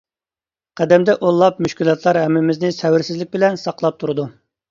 قەدەمدە ئونلاپ مۈشكۈلاتلار ھەممىمىزنى سەۋرسىزلىك بىلەن ساقلاپ تۇرىدۇ!